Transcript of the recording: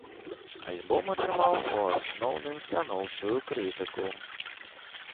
Альбом атрымаў у асноўным станоўчую крытыку.